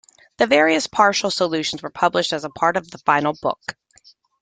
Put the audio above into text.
The various partial solutions were published as part of the final book.